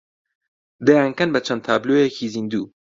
دەیانکەن بە چەند تابلۆیەکی زیندوو